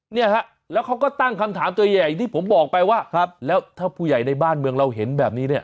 เนี่ยฮะแล้วเขาก็ตั้งคำถามตัวอย่างที่ผมบอกไปว่าครับแล้วถ้าผู้ใหญ่ในบ้านเมืองเราเห็นแบบนี้เนี่ย